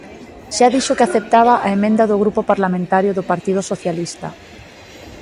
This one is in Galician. Xa dixo que aceptaba a emenda do Grupo Parlamentario do Partido Socialista.